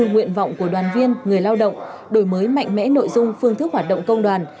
nguyện vọng của đoàn viên người lao động đổi mới mạnh mẽ nội dung phương thức hoạt động công đoàn